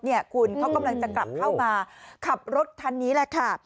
เขากำลังจะกลับเข้ามาขับรถทันนี้แหละค่ะ